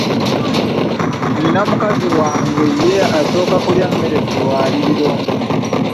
Nina mukazi wange ye asooka okulya emmere ku lwaliiro.